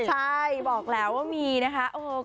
ใช่บอกแล้วว่ามีนะคะ